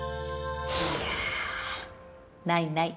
いやないない。